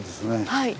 はい。